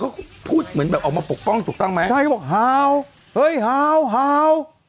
เขาพูดเหมือนแบบออกมาปกป้องถูกต้องไหมใช่เขาบอกฮาวเฮ้ยฮาวฮาว